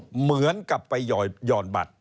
เหมือนกับไปหย่อนบัตร